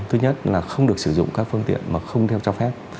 thứ nhất là không được sử dụng các phương tiện mà không theo cho phép